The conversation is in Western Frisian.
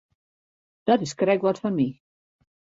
Dat is krekt wat foar my.